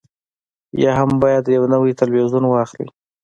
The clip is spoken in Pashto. یا هم باید یو نوی تلویزیون واخلئ